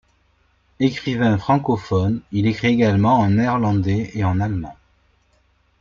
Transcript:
Écrivain francophone, il écrit également en néerlandais et en allemand.